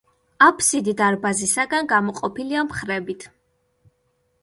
აბსიდი დარბაზისაგან გამოყოფილია მხრებით.